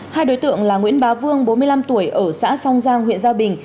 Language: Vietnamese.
hai đối tượng là nguyễn bá vương bốn mươi năm tuổi ở xã song giang huyện gia bình